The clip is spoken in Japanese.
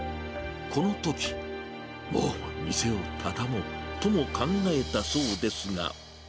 このとき、もう店を畳もう、とも考えたそうですが。